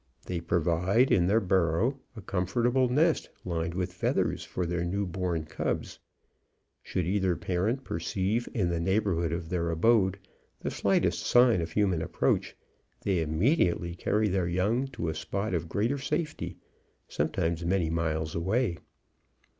They provide, in their burrow, a comfortable nest, lined with feathers, for their new born cubs. Should either parent perceive in the neighbourhood of their abode the slightest sign of human approach, they immediately carry their young to a spot of greater safety, sometimes many miles away.